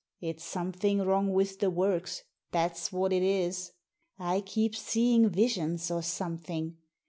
It's something wrong with the works, that's what it is. I keep seeing visions, or something.